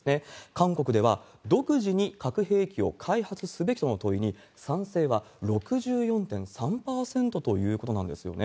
韓国では、独自に核兵器を開発すべきとの問いに、賛成は６４．３％ということなんですよね。